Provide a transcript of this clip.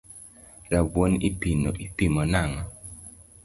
Rabuon ipimo nang’o?